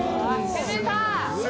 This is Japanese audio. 攻めた。